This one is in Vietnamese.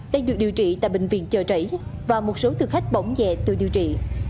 đang được điều trị tại bệnh viện cho rẫy và một số thực khách bỏng dẹ tự điều trị